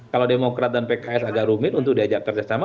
kalau demokrat dan pks agak rumit untuk diajak kerjasama